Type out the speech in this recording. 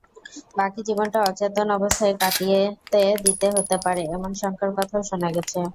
বাকি জীবনটা অচেতন অবস্থায় কাটিতে দিতে হতে পারে—এমন শঙ্কার কথাও শোনা গেছে।